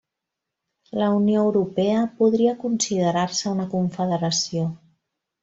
La Unió Europea podria considerar-se una confederació.